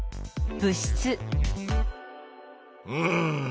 うん。